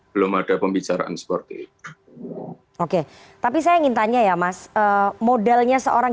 belum ada pembicaraan seperti itu oke tapi saya ingin tanya ya mas modalnya seorang